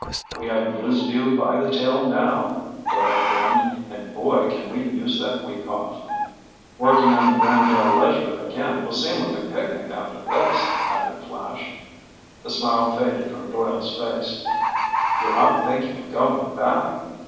"We have News Vue by the tail now," Doyle grinned. "And boy, can we use that week off!" "Working on the Brandale Ledger again will seem like a picnic after this," added Flash. The smile faded from Doyle's face. "You're not thinking of going back?"